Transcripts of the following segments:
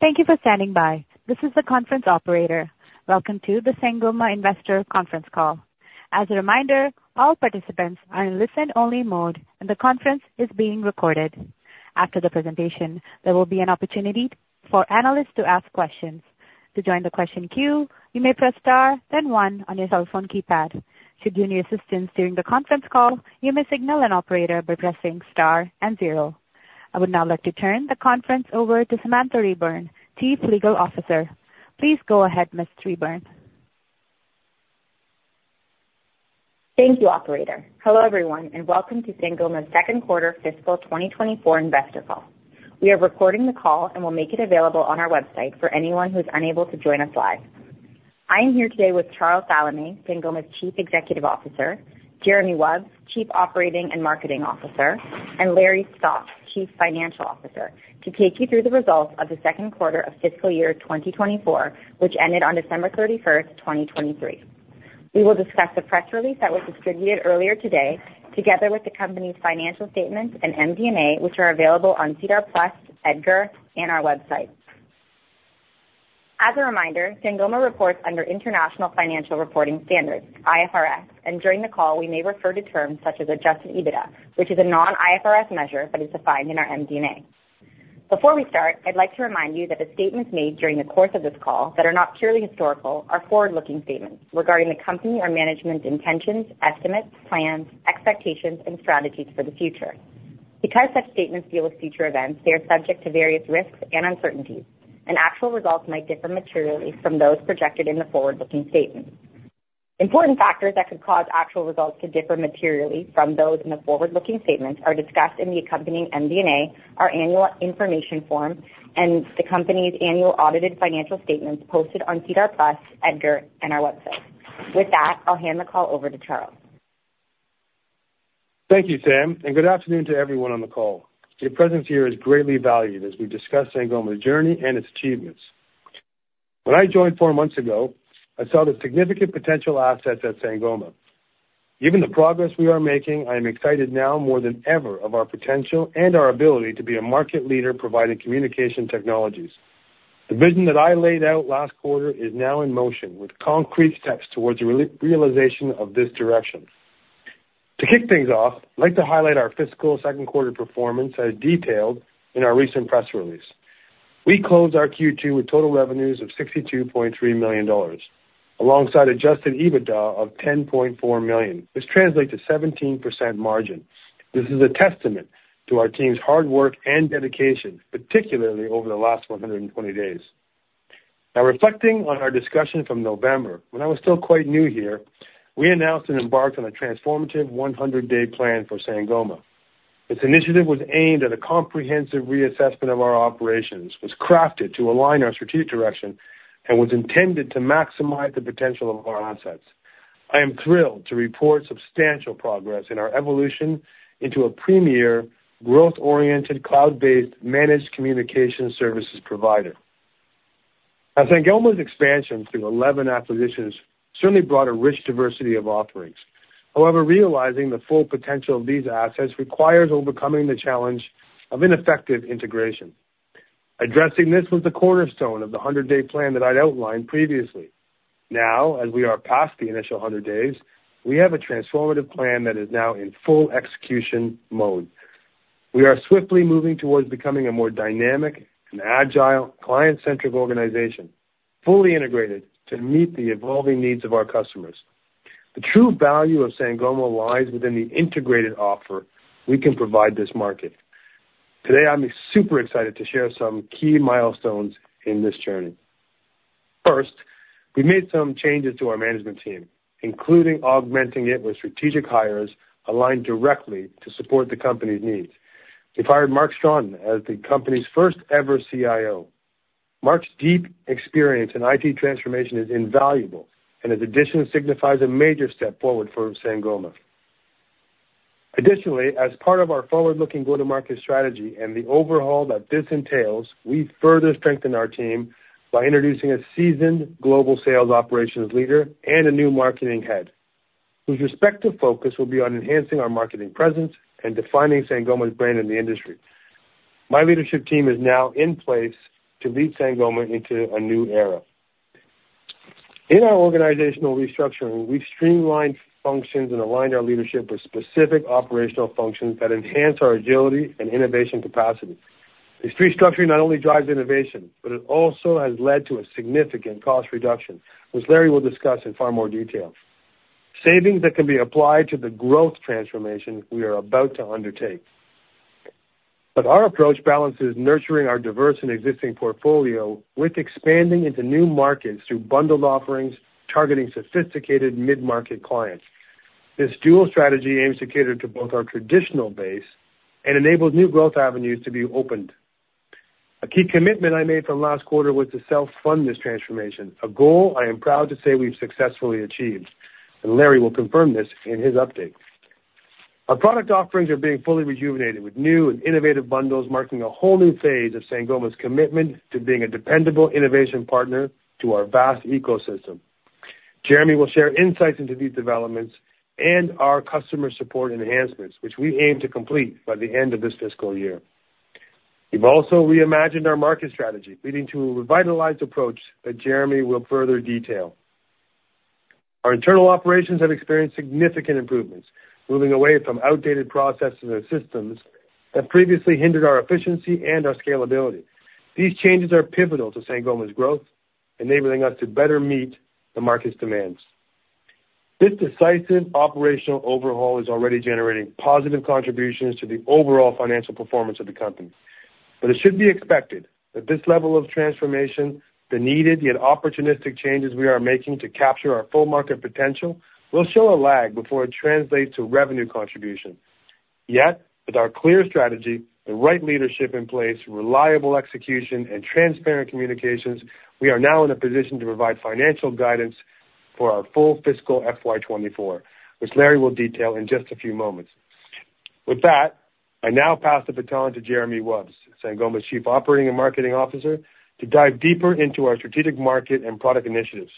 Thank you for standing by. This is the conference operator. Welcome to the Sangoma investor conference call. As a reminder, all participants are in listen-only mode, and the conference is being recorded. After the presentation, there will be an opportunity for analysts to ask questions. To join the question queue, you may press star then 1 on your cell phone keypad. Should you need assistance during the conference call, you may signal an operator by pressing star and zero. I would now like to turn the conference over to Samantha Reburn, Chief Legal Officer. Please go ahead, Ms. Reburn. Thank you, operator. Hello everyone, and welcome to Sangoma's second quarter fiscal 2024 investor call. We are recording the call and will make it available on our website for anyone who is unable to join us live. I am here today with Charles Salameh, Sangoma's Chief Executive Officer, Jeremy Wubs, Chief Operating and Marketing Officer, and Larry Stock, Chief Financial Officer, to take you through the results of the second quarter of fiscal year 2024, which ended on December 31st, 2023. We will discuss the press release that was distributed earlier today, together with the company's financial statements and MD&A, which are available on SEDAR+, EDGAR, and our website. As a reminder, Sangoma reports under International Financial Reporting Standards, IFRS, and during the call we may refer to terms such as adjusted EBITDA, which is a non-IFRS measure but is defined in our MD&A. Before we start, I'd like to remind you that the statements made during the course of this call that are not purely historical are forward-looking statements regarding the company or management's intentions, estimates, plans, expectations, and strategies for the future. Because such statements deal with future events, they are subject to various risks and uncertainties, and actual results might differ materially from those projected in the forward-looking statements. Important factors that could cause actual results to differ materially from those in the forward-looking statements are discussed in the accompanying MD&A, our annual information form, and the company's annual audited financial statements posted on SEDAR+, EDGAR, and our website. With that, I'll hand the call over to Charles. Thank you, Sam, and good afternoon to everyone on the call. Your presence here is greatly valued as we discuss Sangoma's journey and its achievements. When I joined four months ago, I saw the significant potential assets at Sangoma. Given the progress we are making, I am excited now more than ever of our potential and our ability to be a market leader providing communication technologies. The vision that I laid out last quarter is now in motion with concrete steps towards a realization of this direction. To kick things off, I'd like to highlight our fiscal second quarter performance as detailed in our recent press release. We closed our Q2 with total revenues of $62.3 million, alongside adjusted EBITDA of $10.4 million. This translates to a 17% margin. This is a testament to our team's hard work and dedication, particularly over the last 120 days. Now, reflecting on our discussion from November, when I was still quite new here, we announced and embarked on a transformative 100-day plan for Sangoma. This initiative was aimed at a comprehensive reassessment of our operations, was crafted to align our strategic direction, and was intended to maximize the potential of our assets. I am thrilled to report substantial progress in our evolution into a premier, growth-oriented, cloud-based, managed communication services provider. Now, Sangoma's expansion through 11 acquisitions certainly brought a rich diversity of offerings. However, realizing the full potential of these assets requires overcoming the challenge of ineffective integration. Addressing this was the cornerstone of the 100-day plan that I'd outlined previously. Now, as we are past the initial 100 days, we have a transformative plan that is now in full execution mode. We are swiftly moving towards becoming a more dynamic and agile, client-centric organization, fully integrated, to meet the evolving needs of our customers. The true value of Sangoma lies within the integrated offer we can provide this market. Today, I'm super excited to share some key milestones in this journey. First, we made some changes to our management team, including augmenting it with strategic hires aligned directly to support the company's needs. We've hired Mark Strachan as the company's first-ever CIO. Mark's deep experience in IT transformation is invaluable, and his addition signifies a major step forward for Sangoma. Additionally, as part of our forward-looking go-to-market strategy and the overhaul that this entails, we've further strengthened our team by introducing a seasoned global sales operations leader and a new marketing head, whose respective focus will be on enhancing our marketing presence and defining Sangoma's brand in the industry. My leadership team is now in place to lead Sangoma into a new era. In our organizational restructuring, we've streamlined functions and aligned our leadership with specific operational functions that enhance our agility and innovation capacity. This restructuring not only drives innovation, but it also has led to a significant cost reduction, which Larry will discuss in far more detail, savings that can be applied to the growth transformation we are about to undertake. But our approach balances nurturing our diverse and existing portfolio with expanding into new markets through bundled offerings targeting sophisticated mid-market clients. This dual strategy aims to cater to both our traditional base and enables new growth avenues to be opened. A key commitment I made from last quarter was to self-fund this transformation, a goal I am proud to say we've successfully achieved, and Larry will confirm this in his update. Our product offerings are being fully rejuvenated with new and innovative bundles marking a whole new phase of Sangoma's commitment to being a dependable innovation partner to our vast ecosystem. Jeremy will share insights into these developments and our customer support enhancements, which we aim to complete by the end of this fiscal year. We've also reimagined our market strategy, leading to a revitalized approach that Jeremy will further detail. Our internal operations have experienced significant improvements, moving away from outdated processes and systems that previously hindered our efficiency and our scalability. These changes are pivotal to Sangoma's growth, enabling us to better meet the market's demands. This decisive operational overhaul is already generating positive contributions to the overall financial performance of the company, but it should be expected that this level of transformation, the needed yet opportunistic changes we are making to capture our full market potential, will show a lag before it translates to revenue contribution. Yet, with our clear strategy, the right leadership in place, reliable execution, and transparent communications, we are now in a position to provide financial guidance for our full fiscal FY 2024, which Larry will detail in just a few moments. With that, I now pass the baton to Jeremy Wubs, Sangoma's Chief Operating and Marketing Officer, to dive deeper into our strategic market and product initiatives.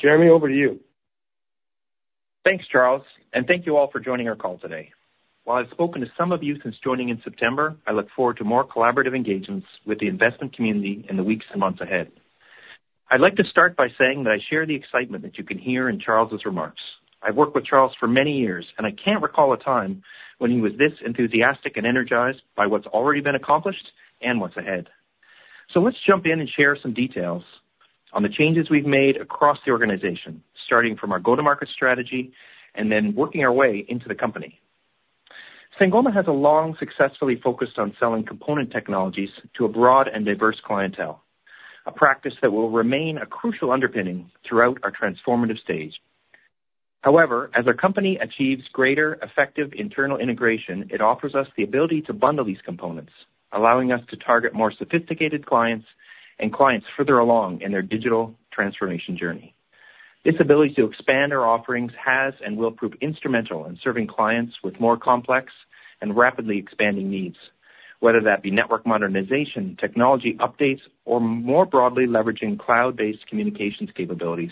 Jeremy, over to you. Thanks, Charles, and thank you all for joining our call today. While I've spoken to some of you since joining in September, I look forward to more collaborative engagements with the investment community in the weeks and months ahead. I'd like to start by saying that I share the excitement that you can hear in Charles's remarks. I've worked with Charles for many years, and I can't recall a time when he was this enthusiastic and energized by what's already been accomplished and what's ahead. So let's jump in and share some details on the changes we've made across the organization, starting from our go-to-market strategy and then working our way into the company. Sangoma has long successfully focused on selling component technologies to a broad and diverse clientele, a practice that will remain a crucial underpinning throughout our transformative stage. However, as our company achieves greater, effective internal integration, it offers us the ability to bundle these components, allowing us to target more sophisticated clients and clients further along in their digital transformation journey. This ability to expand our offerings has and will prove instrumental in serving clients with more complex and rapidly expanding needs, whether that be network modernization, technology updates, or more broadly leveraging cloud-based communications capabilities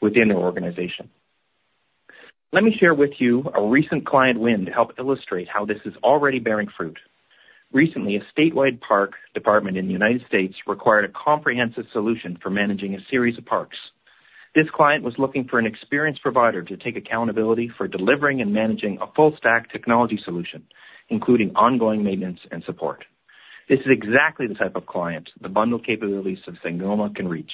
within our organization. Let me share with you a recent client win to help illustrate how this is already bearing fruit. Recently, a statewide park department in the United States required a comprehensive solution for managing a series of parks. This client was looking for an experienced provider to take accountability for delivering and managing a full-stack technology solution, including ongoing maintenance and support. This is exactly the type of client the bundle capabilities of Sangoma can reach.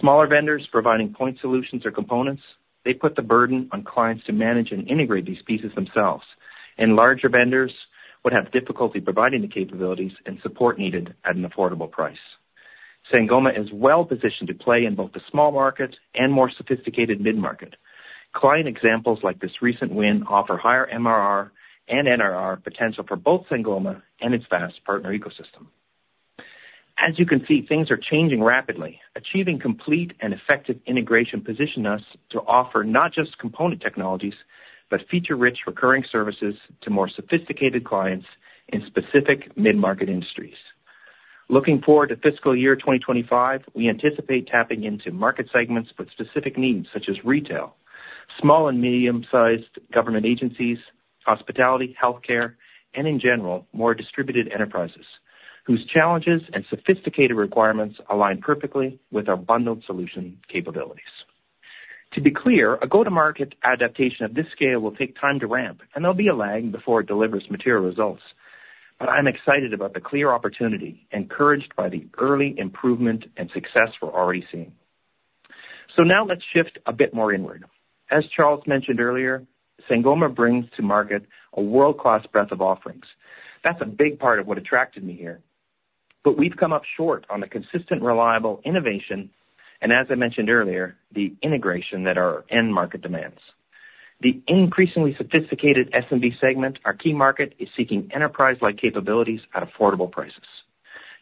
Smaller vendors providing point solutions or components, they put the burden on clients to manage and integrate these pieces themselves, and larger vendors would have difficulty providing the capabilities and support needed at an affordable price. Sangoma is well positioned to play in both the small market and more sophisticated mid-market. Client examples like this recent win offer higher MRR and NRR potential for both Sangoma and its vast partner ecosystem. As you can see, things are changing rapidly. Achieving complete and effective integration positioned us to offer not just component technologies but feature-rich recurring services to more sophisticated clients in specific mid-market industries. Looking forward to fiscal year 2025, we anticipate tapping into market segments with specific needs such as retail, small and medium-sized government agencies, hospitality, healthcare, and in general, more distributed enterprises, whose challenges and sophisticated requirements align perfectly with our bundled solution capabilities. To be clear, a go-to-market adaptation of this scale will take time to ramp, and there'll be a lag before it delivers material results. But I'm excited about the clear opportunity, encouraged by the early improvement and success we're already seeing. So now let's shift a bit more inward. As Charles mentioned earlier, Sangoma brings to market a world-class breadth of offerings. That's a big part of what attracted me here. But we've come up short on the consistent, reliable innovation and, as I mentioned earlier, the integration that our end market demands. The increasingly sophisticated SMB segment, our key market, is seeking enterprise-like capabilities at affordable prices.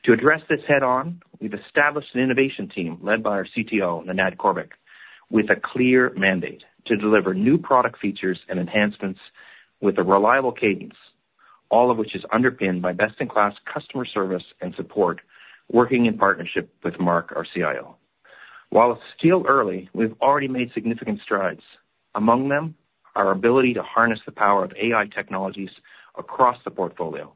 To address this head-on, we've established an innovation team led by our CTO, Nenad Corbic, with a clear mandate to deliver new product features and enhancements with a reliable cadence, all of which is underpinned by best-in-class customer service and support working in partnership with Mark, our CIO. While it's still early, we've already made significant strides. Among them are our ability to harness the power of AI technologies across the portfolio,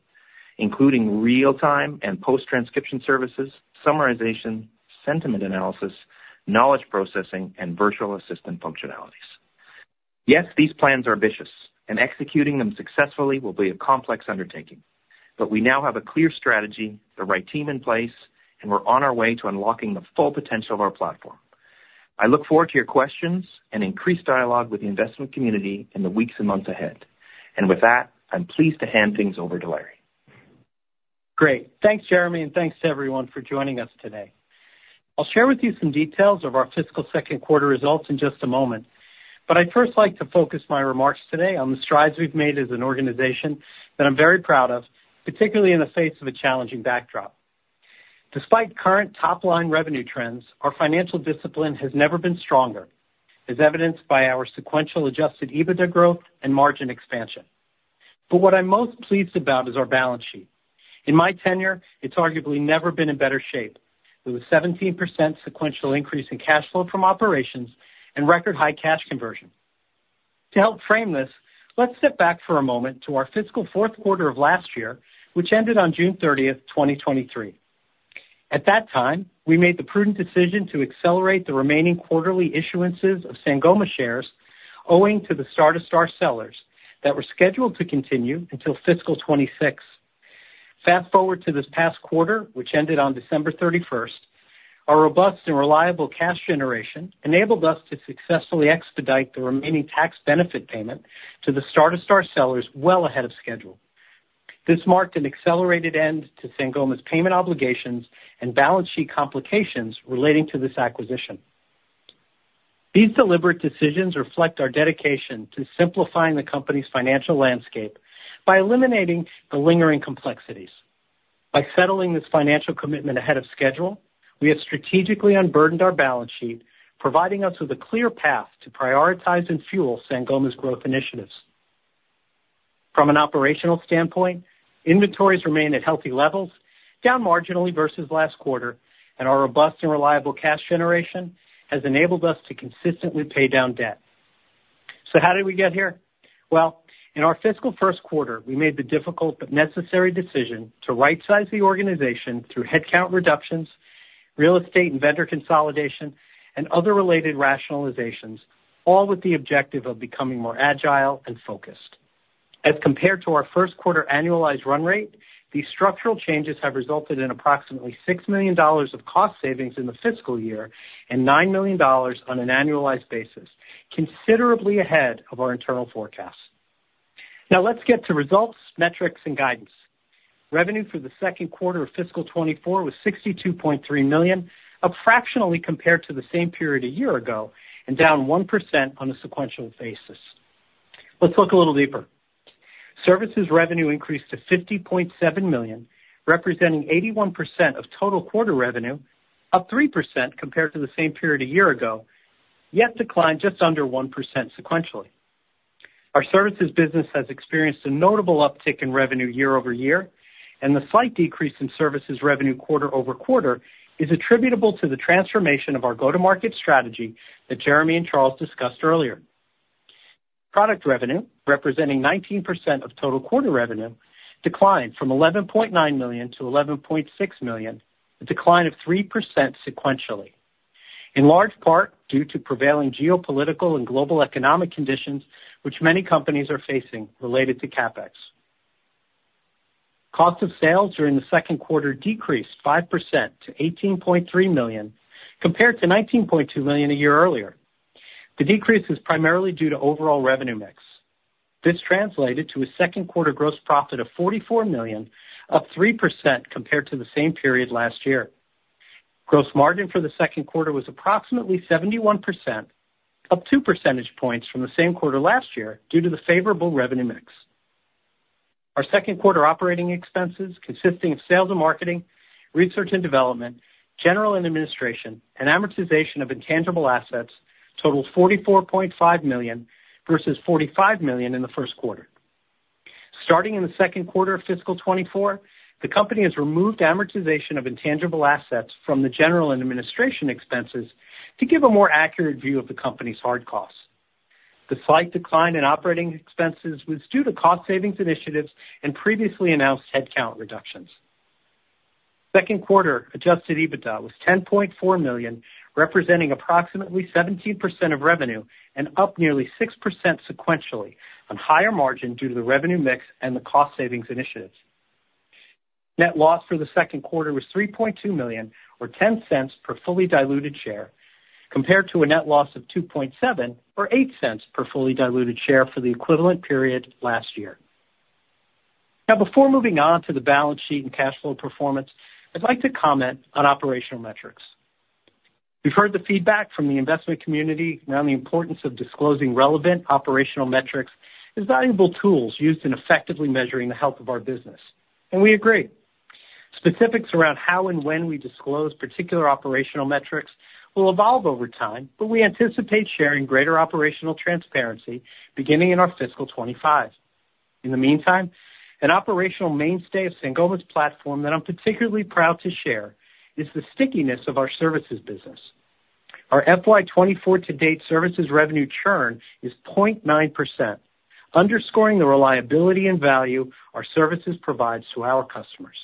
including real-time and post-transcription services, summarization, sentiment analysis, knowledge processing, and virtual assistant functionalities. Yes, these plans are ambitious, and executing them successfully will be a complex undertaking. But we now have a clear strategy, the right team in place, and we're on our way to unlocking the full potential of our platform. I look forward to your questions and increased dialogue with the investment community in the weeks and months ahead. With that, I'm pleased to hand things over to Larry. Great. Thanks, Jeremy, and thanks to everyone for joining us today. I'll share with you some details of our fiscal second quarter results in just a moment, but I'd first like to focus my remarks today on the strides we've made as an organization that I'm very proud of, particularly in the face of a challenging backdrop. Despite current top-line revenue trends, our financial discipline has never been stronger, as evidenced by our sequential adjusted EBITDA growth and margin expansion. But what I'm most pleased about is our balance sheet. In my tenure, it's arguably never been in better shape, with a 17% sequential increase in cash flow from operations and record-high cash conversion. To help frame this, let's step back for a moment to our fiscal fourth quarter of last year, which ended on June 30th, 2023. At that time, we made the prudent decision to accelerate the remaining quarterly issuances of Sangoma shares owing to the Star2Star sellers that were scheduled to continue until fiscal 2026. Fast forward to this past quarter, which ended on December 31st, our robust and reliable cash generation enabled us to successfully expedite the remaining tax benefit payment to the Star2Star sellers well ahead of schedule. This marked an accelerated end to Sangoma's payment obligations and balance sheet complications relating to this acquisition. These deliberate decisions reflect our dedication to simplifying the company's financial landscape by eliminating the lingering complexities. By settling this financial commitment ahead of schedule, we have strategically unburdened our balance sheet, providing us with a clear path to prioritize and fuel Sangoma's growth initiatives. From an operational standpoint, inventories remain at healthy levels, down marginally versus last quarter, and our robust and reliable cash generation has enabled us to consistently pay down debt. So how did we get here? Well, in our fiscal first quarter, we made the difficult but necessary decision to right-size the organization through headcount reductions, real estate and vendor consolidation, and other related rationalizations, all with the objective of becoming more agile and focused. As compared to our first quarter annualized run rate, these structural changes have resulted in approximately $6 million of cost savings in the fiscal year and $9 million on an annualized basis, considerably ahead of our internal forecasts. Now let's get to results, metrics, and guidance. Revenue for the second quarter of fiscal 2024 was $62.3 million, up fractionally compared to the same period a year ago and down 1% on a sequential basis. Let's look a little deeper. Services revenue increased to $50.7 million, representing 81% of total quarter revenue, up 3% compared to the same period a year ago, yet declined just under 1% sequentially. Our Services business has experienced a notable uptick in revenue year-over-year, and the slight decrease in Services revenue quarter-over-quarter is attributable to the transformation of our go-to-market strategy that Jeremy and Charles discussed earlier. Product revenue, representing 19% of total quarter revenue, declined from $11.9 million to $11.6 million, a decline of 3% sequentially, in large part due to prevailing geopolitical and global economic conditions, which many companies are facing related to CapEx. Cost of sales during the second quarter decreased 5% to $18.3 million compared to $19.2 million a year earlier. The decrease is primarily due to overall revenue mix. This translated to a second quarter gross profit of $44 million, up 3% compared to the same period last year. Gross margin for the second quarter was approximately 71%, up 2 percentage points from the same quarter last year due to the favorable revenue mix. Our second quarter operating expenses, consisting of sales and marketing, research and development, general and administration, and amortization of intangible assets, totaled $44.5 million versus $45 million in the first quarter. Starting in the second quarter of fiscal 2024, the company has removed amortization of intangible assets from the general and administration expenses to give a more accurate view of the company's hard costs. The slight decline in operating expenses was due to cost savings initiatives and previously announced headcount reductions. Second quarter adjusted EBITDA was $10.4 million, representing approximately 17% of revenue and up nearly 6% sequentially, on higher margin due to the revenue mix and the cost savings initiatives. Net loss for the second quarter was $3.2 million or $0.10 per fully diluted share, compared to a net loss of $2.7 million or $0.08 per fully diluted share for the equivalent period last year. Now, before moving on to the balance sheet and cash flow performance, I'd like to comment on operational metrics. We've heard the feedback from the investment community around the importance of disclosing relevant operational metrics as valuable tools used in effectively measuring the health of our business, and we agree. Specifics around how and when we disclose particular operational metrics will evolve over time, but we anticipate sharing greater operational transparency beginning in our fiscal 2025. In the meantime, an operational mainstay of Sangoma's platform that I'm particularly proud to share is the stickiness of our Services business. Our FY 2024 to date Services revenue churn is 0.9%, underscoring the reliability and value our services provide to our customers.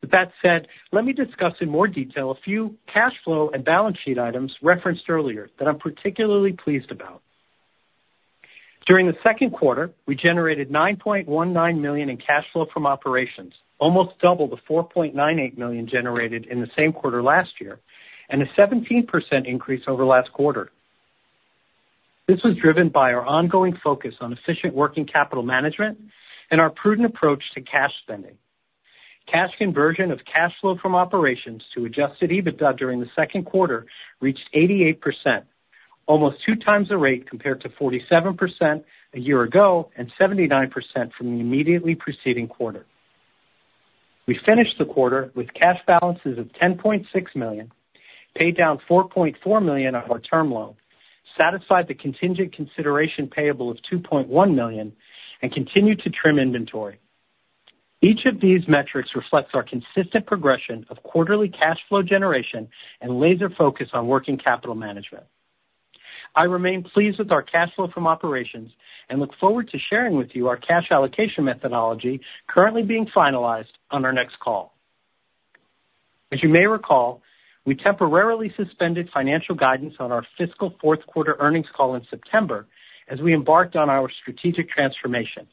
With that said, let me discuss in more detail a few cash flow and balance sheet items referenced earlier that I'm particularly pleased about. During the second quarter, we generated $9.19 million in cash flow from operations, almost double the $4.98 million generated in the same quarter last year and a 17% increase over last quarter. This was driven by our ongoing focus on efficient working capital management and our prudent approach to cash spending. Cash conversion of cash flow from operations to adjusted EBITDA during the second quarter reached 88%, almost 2x the rate compared to 47% a year ago and 79% from the immediately preceding quarter. We finished the quarter with cash balances of $10.6 million, paid down $4.4 million of our term loan, satisfied the contingent consideration payable of $2.1 million, and continued to trim inventory. Each of these metrics reflects our consistent progression of quarterly cash flow generation and laser focus on working capital management. I remain pleased with our cash flow from operations and look forward to sharing with you our cash allocation methodology currently being finalized on our next call. As you may recall, we temporarily suspended financial guidance on our fiscal fourth quarter earnings call in September as we embarked on our strategic transformation.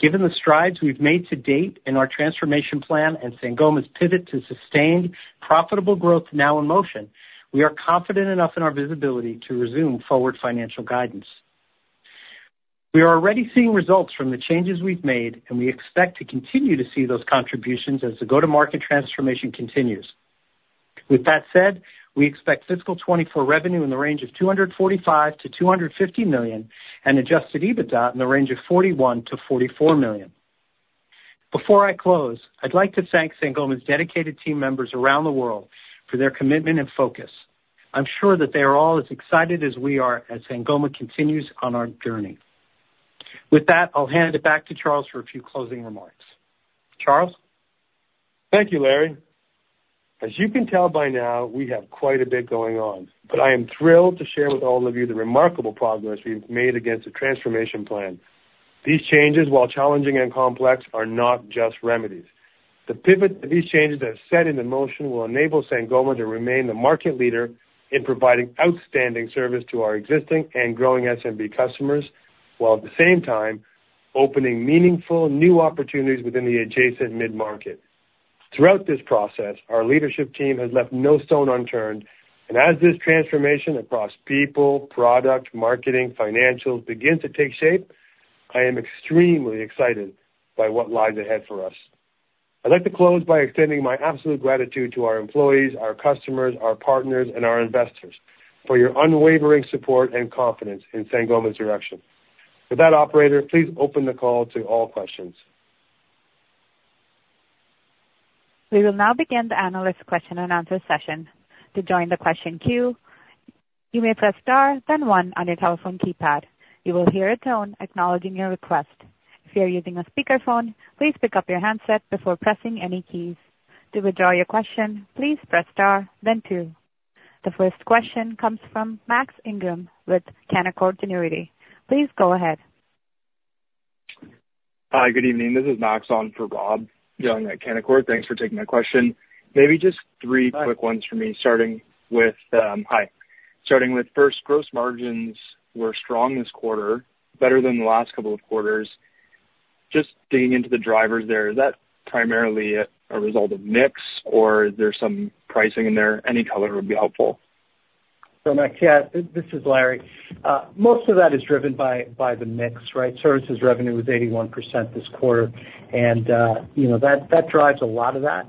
Given the strides we've made to date in our transformation plan and Sangoma's pivot to sustained, profitable growth now in motion, we are confident enough in our visibility to resume forward financial guidance. We are already seeing results from the changes we've made, and we expect to continue to see those contributions as the go-to-market transformation continues. With that said, we expect fiscal 2024 revenue in the range of $245 million-$250 million and adjusted EBITDA in the range of $41 million-$44 million. Before I close, I'd like to thank Sangoma's dedicated team members around the world for their commitment and focus. I'm sure that they are all as excited as we are as Sangoma continues on our journey. With that, I'll hand it back to Charles for a few closing remarks. Charles? Thank you, Larry. As you can tell by now, we have quite a bit going on, but I am thrilled to share with all of you the remarkable progress we've made against the transformation plan. These changes, while challenging and complex, are not just remedies. The pivot that these changes have set in motion will enable Sangoma to remain the market leader in providing outstanding service to our existing and growing SMB customers, while at the same time opening meaningful new opportunities within the adjacent mid-market. Throughout this process, our leadership team has left no stone unturned, and as this transformation across people, product, marketing, financials begins to take shape, I am extremely excited by what lies ahead for us. I'd like to close by extending my absolute gratitude to our employees, our customers, our partners, and our investors for your unwavering support and confidence in Sangoma's direction. With that, operator, please open the call to all questions. We will now begin the analyst question and answer session. To join the question queue, you may press star, then one, on your telephone keypad. You will hear a tone acknowledging your request. If you are using a speakerphone, please pick up your handset before pressing any keys. To withdraw your question, please press star, then two. The first question comes from Max Ingram with Canaccord Genuity. Please go ahead. Hi, good evening. This is Max on for Rob, dialing at Canaccord. Thanks for taking my question. Maybe just three quick ones for me, starting with, first, gross margins were strong this quarter, better than the last couple of quarters. Just digging into the drivers there, is that primarily a result of mix, or is there some pricing in there? Any color would be helpful. So Max, yeah, this is Larry. Most of that is driven by the mix, right? Services revenue was 81% this quarter, and that drives a lot of that.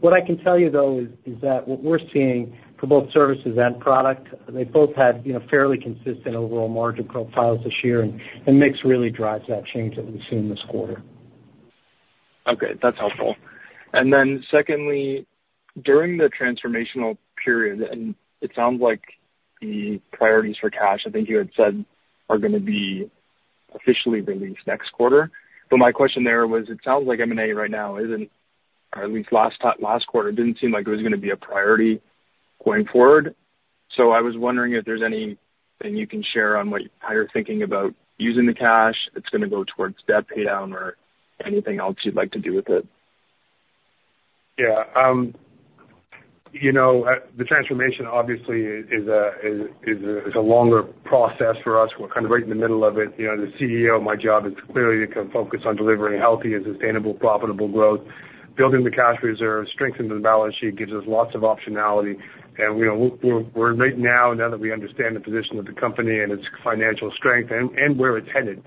What I can tell you, though, is that what we're seeing for both Services and Product, they both had fairly consistent overall margin profiles this year, and mix really drives that change that we've seen this quarter. Okay, that's helpful. And then secondly, during the transformational period, and it sounds like the priorities for cash, I think you had said, are going to be officially released next quarter. But my question there was, it sounds like M&A right now isn't or at least last quarter didn't seem like it was going to be a priority going forward. So I was wondering if there's anything you can share on how you're thinking about using the cash that's going to go towards debt paydown or anything else you'd like to do with it. Yeah. The transformation, obviously, is a longer process for us. We're kind of right in the middle of it. As a CEO, my job is clearly to focus on delivering healthy and sustainable, profitable growth. Building the cash reserve, strengthening the balance sheet gives us lots of optionality. Right now, now that we understand the position of the company and its financial strength and where it's headed,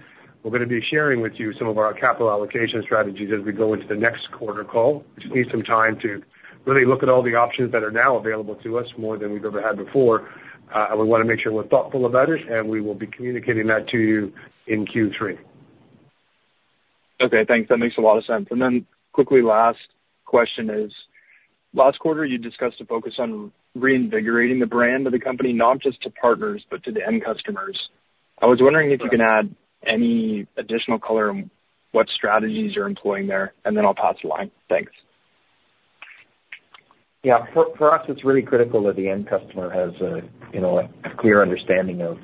we're going to be sharing with you some of our capital allocation strategies as we go into the next quarter call. We just need some time to really look at all the options that are now available to us more than we've ever had before, and we want to make sure we're thoughtful about it, and we will be communicating that to you in Q3. Okay, thanks. That makes a lot of sense. And then quickly, last question is, last quarter, you discussed a focus on reinvigorating the brand of the company, not just to partners but to the end customers. I was wondering if you can add any additional color on what strategies you're employing there, and then I'll pass the line. Thanks. Yeah, for us, it's really critical that the end customer has a clear understanding of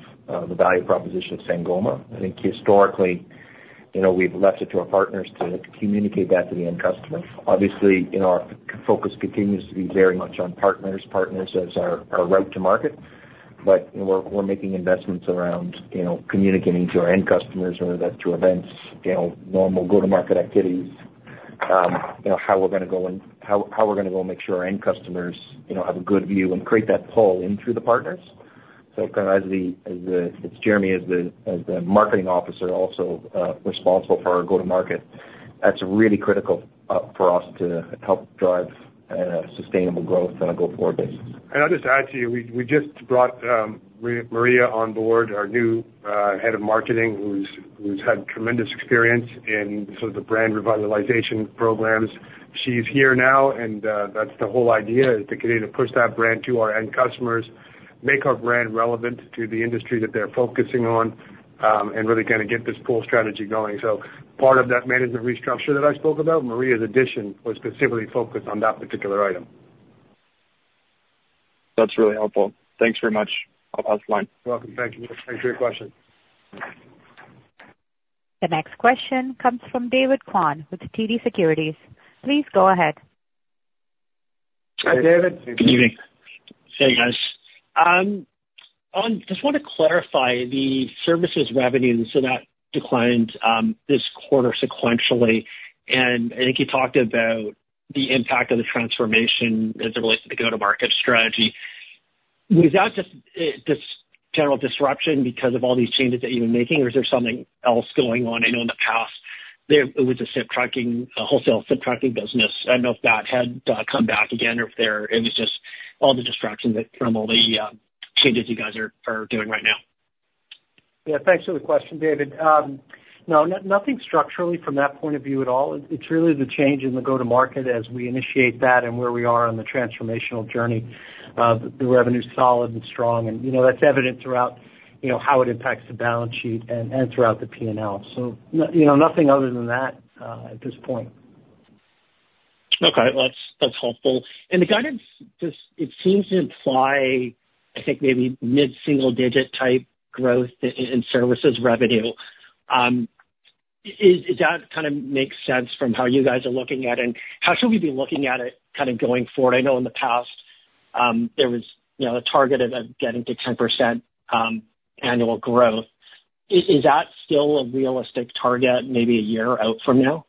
the value proposition of Sangoma. I think historically, we've left it to our partners to communicate that to the end customer. Obviously, our focus continues to be very much on partners, partners as our route to market, but we're making investments around communicating to our end customers, whether that's through events, normal go-to-market activities, how we're going to go and how we're going to go and make sure our end customers have a good view and create that pull in through the partners. So kind of as Jeremy is the marketing officer also responsible for our go-to-market, that's really critical for us to help drive sustainable growth on a go-forward basis. I'll just add to you, we just brought Maria on board, our new head of marketing, who's had tremendous experience in sort of the brand revitalization programs. She's here now, and that's the whole idea, is to continue to push that brand to our end customers, make our brand relevant to the industry that they're focusing on, and really kind of get this pull strategy going. So part of that management restructure that I spoke about, Maria's addition, was specifically focused on that particular item. That's really helpful. Thanks very much. I'll pass the line. You're welcome. Thank you. Thanks for your question. The next question comes from David Kwan with TD Securities. Please go ahead. Hi, David. Good evening. Hey, guys. I just want to clarify the Services revenues that declined this quarter sequentially, and I think you talked about the impact of the transformation as it relates to the go-to-market strategy. Was that just general disruption because of all these changes that you've been making, or is there something else going on? I know in the past, it was a Wholesale SIP Trunking business. I don't know if that had come back again or if it was just all the distractions from all the changes you guys are doing right now. Yeah, thanks for the question, David. No, nothing structurally from that point of view at all. It's really the change in the go-to-market as we initiate that and where we are on the transformational journey. The revenue's solid and strong, and that's evident throughout how it impacts the balance sheet and throughout the P&L. Nothing other than that at this point. Okay, that's helpful. And the guidance, it seems to imply, I think, maybe mid-single-digit type growth in Services revenue. Does that kind of make sense from how you guys are looking at it, and how should we be looking at it kind of going forward? I know in the past, there was a target of getting to 10% annual growth. Is that still a realistic target maybe a year out from now?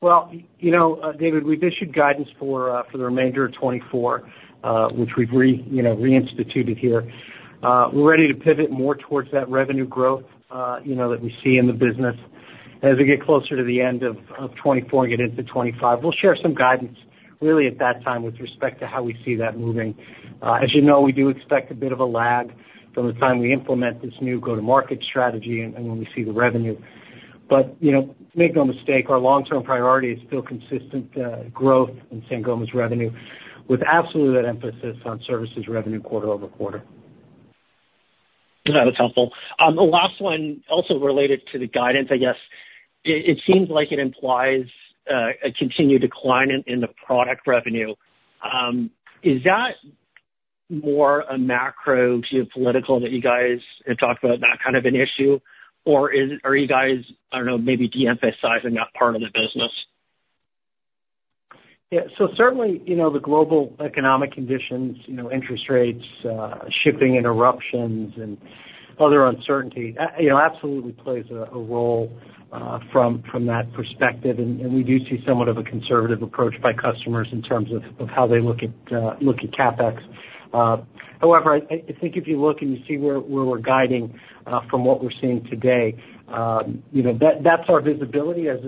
Well, David, we've issued guidance for the remainder of 2024, which we've reinstituted here. We're ready to pivot more towards that revenue growth that we see in the business. As we get closer to the end of 2024 and get into 2025, we'll share some guidance really at that time with respect to how we see that moving. As you know, we do expect a bit of a lag from the time we implement this new go-to-market strategy and when we see the revenue. But make no mistake, our long-term priority is still consistent growth in Sangoma's revenue with absolutely that emphasis on Services revenue quarter-over-quarter. Yeah, that's helpful. The last one, also related to the guidance, I guess, it seems like it implies a continued decline in the Product revenue. Is that more a macro geopolitical that you guys have talked about, that kind of an issue, or are you guys, I don't know, maybe de-emphasizing that part of the business? Yeah, so certainly, the global economic conditions, interest rates, shipping interruptions, and other uncertainty absolutely plays a role from that perspective, and we do see somewhat of a conservative approach by customers in terms of how they look at CapEx. However, I think if you look and you see where we're guiding from what we're seeing today, that's our visibility as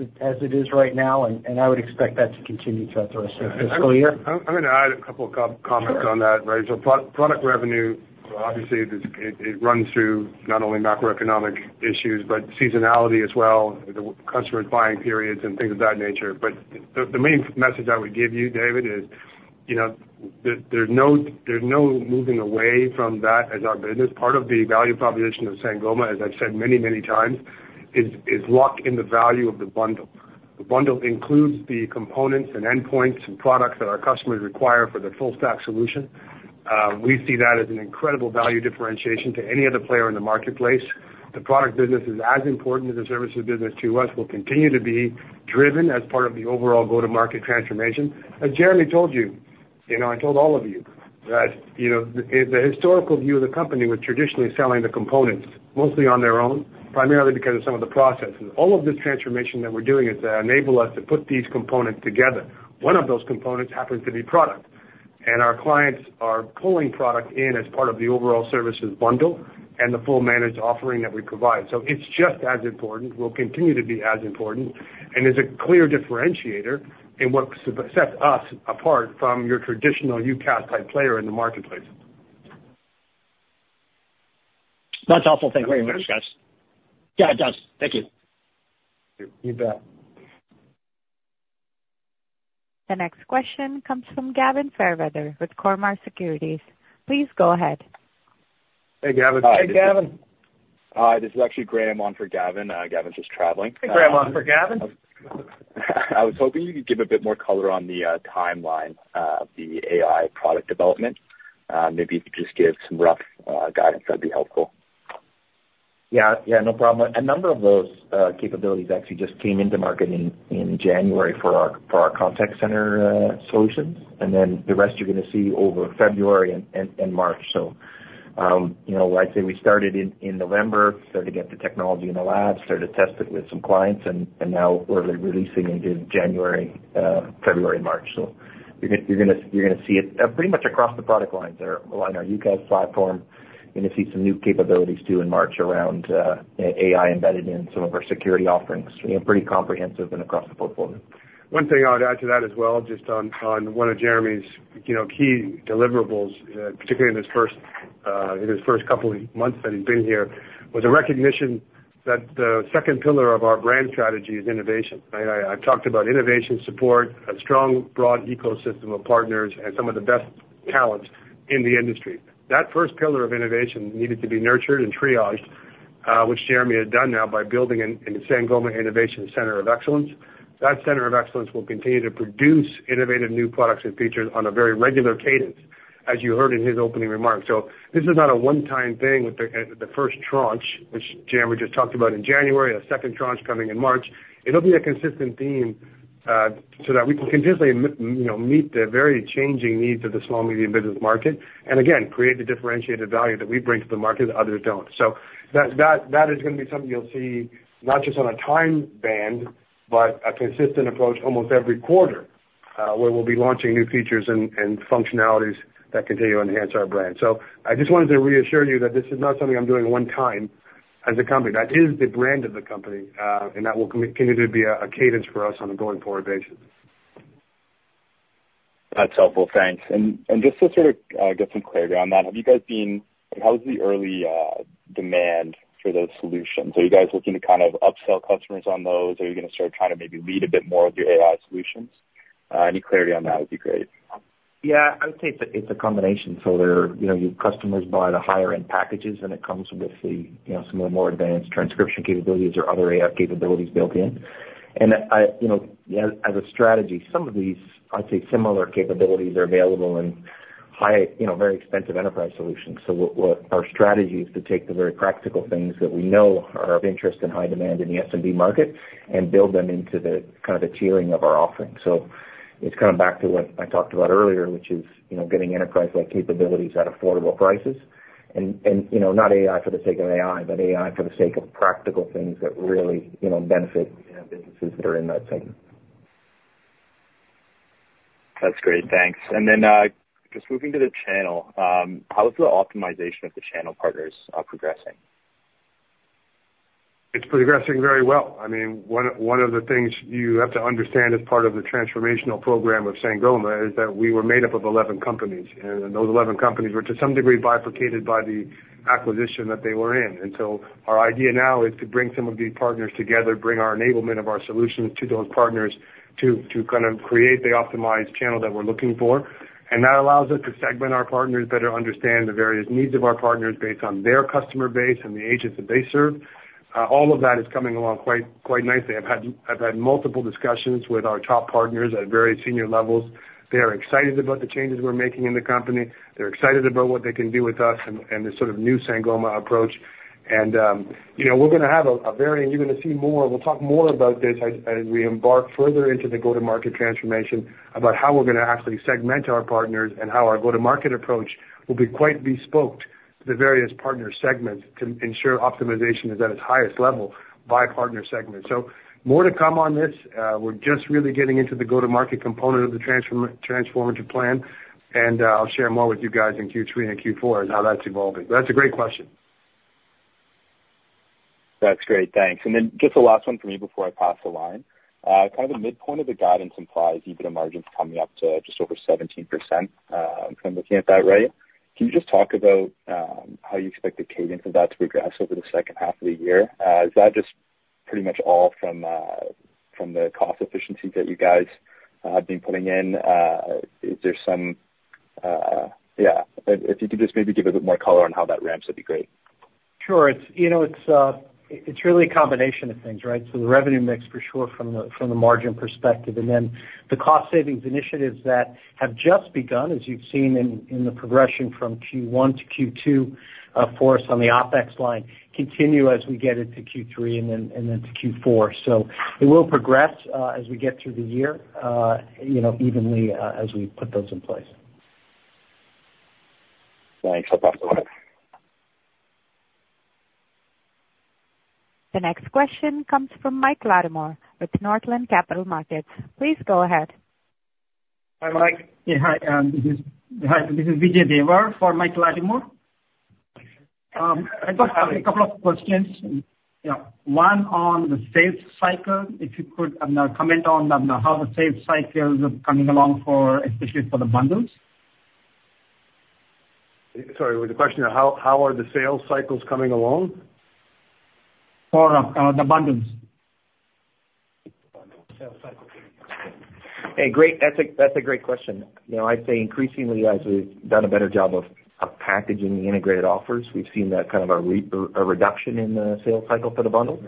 it is right now, and I would expect that to continue throughout the rest of the fiscal year. I'm going to add a couple of comments on that, right? So Product revenue, obviously, it runs through not only macroeconomic issues but seasonality as well, the customer's buying periods and things of that nature. But the main message I would give you, David, is there's no moving away from that as our business. Part of the value proposition of Sangoma, as I've said many, many times, is locked in the value of the bundle. The bundle includes the components and endpoints and products that our customers require for the full-stack solution. We see that as an incredible value differentiation to any other player in the marketplace. The Product business is as important as the Services business to us. We'll continue to be driven as part of the overall go-to-market transformation. As Jeremy told you, I told all of you that the historical view of the company was traditionally selling the components mostly on their own, primarily because of some of the processes. All of this transformation that we're doing is to enable us to put these components together. One of those components happens to be Product, and our clients are pulling Product in as part of the overall Services bundle and the full managed offering that we provide. So it's just as important. We'll continue to be as important and is a clear differentiator in what sets us apart from your traditional UCaaS-type player in the marketplace. That's helpful. Thank you very much, guys. Yeah, it does. Thank you. You bet. The next question comes from Gavin Fairweather with Cormark Securities. Please go ahead. Hey, Gavin. Hi, Gavin. Hi, this is actually Graham on for Gavin. Gavin's just traveling. Hey, Graham on for Gavin. I was hoping you could give a bit more color on the timeline of the AI product development. Maybe if you could just give some rough guidance, that'd be helpful. Yeah, yeah, no problem. A number of those capabilities actually just came into market in January for our contact center solutions, and then the rest you're going to see over February and March. So I'd say we started in November, started to get the technology in the lab, started to test it with some clients, and now we're releasing into January, February, March. So you're going to see it pretty much across the product lines. Our UCaaS platform, you're going to see some new capabilities too in March around AI embedded in some of our security offerings. We are pretty comprehensive and across the portfolio. One thing I would add to that as well, just on one of Jeremy's key deliverables, particularly in his first couple of months that he's been here, was a recognition that the second pillar of our brand strategy is innovation, right? I've talked about innovation support, a strong, broad ecosystem of partners, and some of the best talents in the industry. That first pillar of innovation needed to be nurtured and triaged, which Jeremy had done now by building a Sangoma Innovation Center of Excellence. That Center of Excellence will continue to produce innovative new products and features on a very regular cadence, as you heard in his opening remarks. So this is not a one-time thing with the first tranche, which Jeremy just talked about in January, a second tranche coming in March. It'll be a consistent theme so that we can continuously meet the very changing needs of the small, medium business market and, again, create the differentiated value that we bring to the market that others don't. So that is going to be something you'll see not just on a time band but a consistent approach almost every quarter where we'll be launching new features and functionalities that continue to enhance our brand. So I just wanted to reassure you that this is not something I'm doing one time as a company. That is the brand of the company, and that will continue to be a cadence for us on a going forward basis. That's helpful. Thanks. Just to sort of get some clarity on that, how's the early demand for those solutions? Are you guys looking to kind of upsell customers on those? Are you going to start trying to maybe lead a bit more with your AI solutions? Any clarity on that would be great. Yeah, I would say it's a combination. So your customers buy the higher-end packages, and it comes with some of the more advanced transcription capabilities or other AI capabilities built in. And as a strategy, some of these, I'd say, similar capabilities are available in very expensive enterprise solutions. So our strategy is to take the very practical things that we know are of interest and high demand in the SMB market and build them into kind of the tiering of our offering. So it's kind of back to what I talked about earlier, which is getting enterprise-like capabilities at affordable prices and not AI for the sake of AI but AI for the sake of practical things that really benefit businesses that are in that segment. That's great. Thanks. And then just moving to the channel, how's the optimization of the channel partners progressing? It's progressing very well. I mean, one of the things you have to understand as part of the transformational program of Sangoma is that we were made up of 11 companies, and those 11 companies were to some degree bifurcated by the acquisition that they were in. So our idea now is to bring some of these partners together, bring our enablement of our solutions to those partners to kind of create the optimized channel that we're looking for. That allows us to segment our partners, better understand the various needs of our partners based on their customer base and the agents that they serve. All of that is coming along quite nicely. I've had multiple discussions with our top partners at various senior levels. They are excited about the changes we're making in the company. They're excited about what they can do with us and the sort of new Sangoma approach. And we're going to have a variant you're going to see more. We'll talk more about this as we embark further into the go-to-market transformation about how we're going to actually segment our partners and how our go-to-market approach will be quite bespoke to the various partner segments to ensure optimization is at its highest level by partner segments. So more to come on this. We're just really getting into the go-to-market component of the transformative plan, and I'll share more with you guys in Q3 and Q4 as how that's evolving. But that's a great question. That's great. Thanks. And then just a last one from me before I pass the line. Kind of the midpoint of the guidance implies even a margin coming up to just over 17%. I'm kind of looking at that, right? Can you just talk about how you expect the cadence of that to progress over the second half of the year? Is that just pretty much all from the cost efficiencies that you guys have been putting in? Is there some yeah, if you could just maybe give a bit more color on how that ramps, that'd be great. Sure. It's really a combination of things, right? So the revenue mix for sure from the margin perspective, and then the cost savings initiatives that have just begun, as you've seen in the progression from Q1 to Q2 for us on the OpEx line, continue as we get into Q3 and then to Q4. So it will progress as we get through the year evenly as we put those in place. Thanks. I'll pass the line. The next question comes from Mike Latimore with Northland Capital Markets. Please go ahead. Hi, Mike. Hi. This is Vijay Devar for Mike Latimore. I just have a couple of questions. One on the sales cycle, if you could comment on how the sales cycle is coming along, especially for the bundles. Sorry, was the question how are the sales cycles coming along? For the bundles. Hey, great. That's a great question. I'd say increasingly, as we've done a better job of packaging the integrated offers, we've seen kind of a reduction in the sales cycle for the bundles.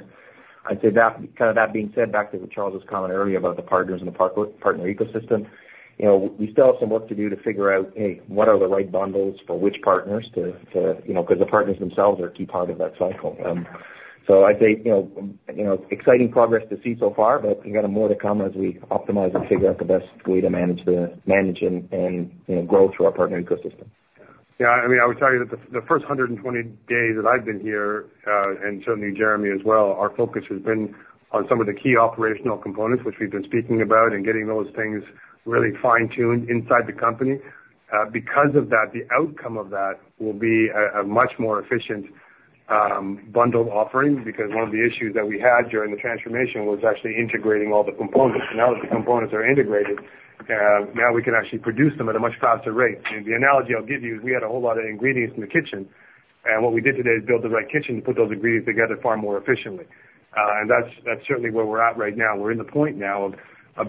I'd say kind of that being said, back to what Charles was commenting earlier about the partners and the partner ecosystem, we still have some work to do to figure out, "Hey, what are the right bundles for which partners?" because the partners themselves are a key part of that cycle. So I'd say exciting progress to see so far, but we got more to come as we optimize and figure out the best way to manage and grow through our partner ecosystem. Yeah, I mean, I would tell you that the first 120 days that I've been here and certainly Jeremy as well, our focus has been on some of the key operational components, which we've been speaking about, and getting those things really fine-tuned inside the company. Because of that, the outcome of that will be a much more efficient bundled offering because one of the issues that we had during the transformation was actually integrating all the components. Now that the components are integrated, now we can actually produce them at a much faster rate. The analogy I'll give you is we had a whole lot of ingredients in the kitchen, and what we did today is build the right kitchen to put those ingredients together far more efficiently. And that's certainly where we're at right now. We're in the point now of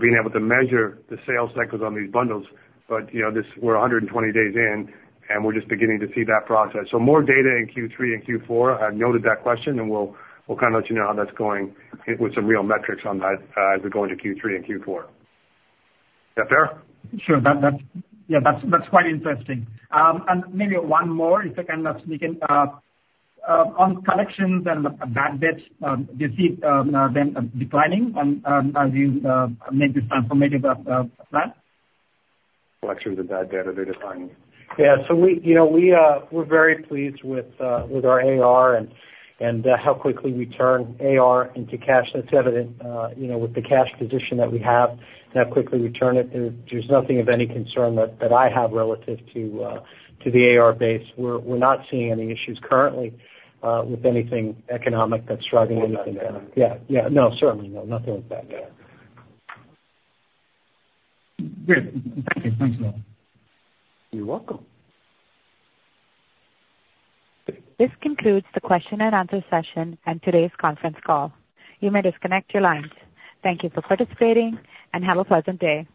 being able to measure the sales cycles on these bundles, but we're 120 days in, and we're just beginning to see that process. So more data in Q3 and Q4. I've noted that question, and we'll kind of let you know how that's going with some real metrics on that as we go into Q3 and Q4. Is that fair? Sure. Yeah, that's quite interesting. Maybe one more if I can sneak in. On collections and bad debt, do you see them declining as you make this transformative plan? Collections and bad debt, they're declining. Yeah, so we're very pleased with our AR and how quickly we turn AR into cash. That's evident with the cash position that we have and how quickly we turn it. There's nothing of any concern that I have relative to the AR base. We're not seeing any issues currently with anything economic that's driving anything down. Yeah, yeah, no, certainly no, nothing like that. Great. Thank you. Thanks, Noah. You're welcome. This concludes the question-and-answer session and today's conference call. You may disconnect your lines. Thank you for participating, and have a pleasant day.